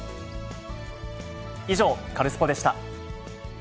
以上、カルスポっ！でした。